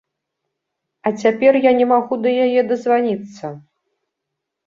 А цяпер я не магу да яе дазваніцца.